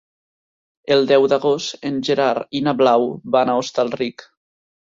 El deu d'agost en Gerard i na Blau van a Hostalric.